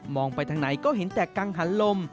ไปทางไหนก็เห็นแต่กังหันลม